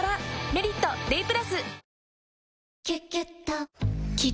「メリットＤＡＹ＋」